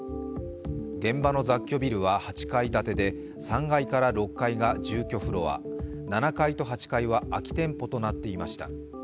現場の雑居ビルは８階建てで３階から６階が住居フロア、７階と８階は空き店舗となっていました。